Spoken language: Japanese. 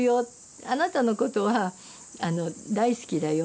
あなたのことは大好きだよ